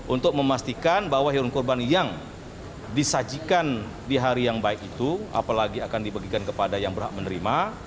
untuk memastikan bahwa hewan kurban yang disajikan di hari yang baik itu apalagi akan dibagikan kepada yang berhak menerima